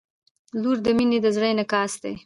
• لور د مینې د زړه انعکاس دی.